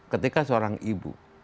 ketika seorang ibu